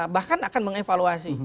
bahkan akan mengevaluasi